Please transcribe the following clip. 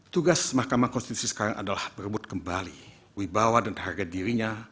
tugas mahkamah konstitusi sekarang adalah berebut kembali wibawa dan harga dirinya